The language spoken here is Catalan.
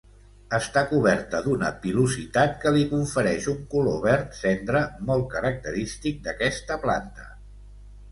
Està coberta d'una pilositat que li confereix un color verd cendra molt característic d'aquesta planta.